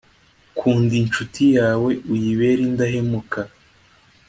Kunda incuti yawe, uyibere indahemuka,